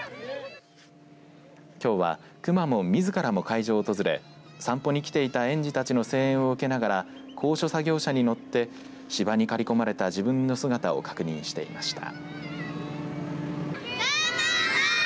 きょうは、くまモンみずからも会場を訪れ散歩に来ていた園児たちの声援を受けながら高所作業車に乗って芝に刈り込まれた自分の姿を確認していました。